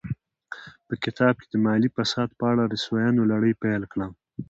په کتاب کې د مالي فساد په اړه رسواینو لړۍ پیل کړه.